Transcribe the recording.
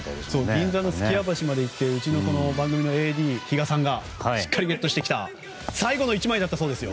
銀座の数寄屋橋まで行ってうちの番組のＡＤの方がしっかりゲットした最後の１枚だったそうです。